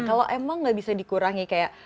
kalau emang gak bisa dikurangi kayak